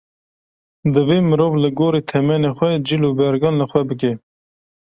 Divê mirov li gorî temenê xwe cil û bergan li xwe bike.